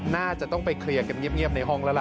น่าจะต้องไปเคลียร์กันเงียบในห้องแล้วล่ะ